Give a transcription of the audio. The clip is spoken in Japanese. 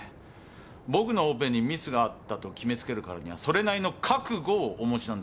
僕のオペにミスがあったと決めつけるからにはそれなりの覚悟をお持ちなんでしょうねえ？